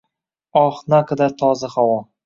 Oh, naqadar toza havo